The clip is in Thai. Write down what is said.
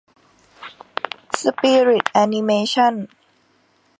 สปิริตแอนิเมชั่น